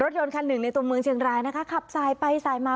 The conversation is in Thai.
ยนต์คันหนึ่งในตัวเมืองเชียงรายนะคะขับสายไปสายมา